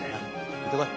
行ってこい。